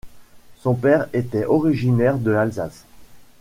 Son père était originaire de l'Alsace.